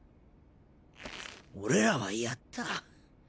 俺らはやった。